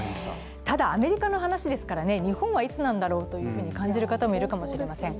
ただアメリカの話ですから日本はいつなんだろうと感じる方もいるかもしれません。